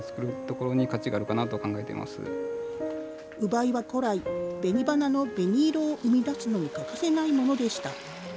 烏梅は古来、ベニバナの紅色を生み出すのに欠かせないものでした。